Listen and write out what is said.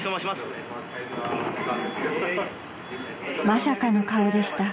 ［まさかの顔でした］